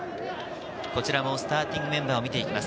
こちらもスターティングメンバーを見てきます。